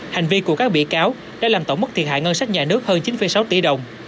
hành vi của các bị cáo đã làm tổng mức thiệt hại ngân sách nhà nước hơn chín sáu tỷ đồng